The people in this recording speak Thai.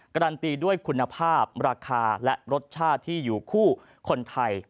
การันตีด้วยคุณภาพราคาและรสชาติที่อยู่คู่คนไทย